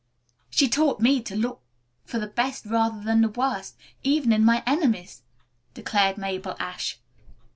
"She taught me to look for the best rather than the worst, even in my enemies," declared Mabel Ashe.